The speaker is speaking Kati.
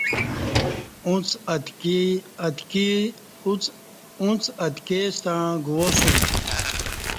اُݩڅ اتکی ستݩع گواسوم